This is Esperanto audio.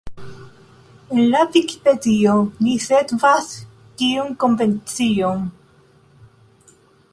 En la Vikipedio ni sekvas tiun konvencion.